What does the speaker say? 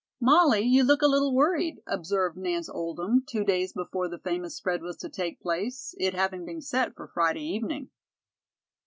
"Molly, you look a little worried," observed Nance Oldham, two days before the famous spread was to take place, it having been set for Friday evening.